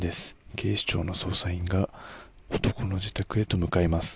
警視庁の捜査員が男の自宅へと向かいます。